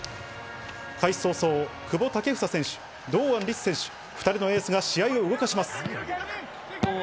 開始早々、久保建英選手、堂安律選手、２人のエースが試合を動かします。